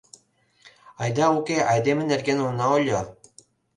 Айда уке айдеме нерген она ойло.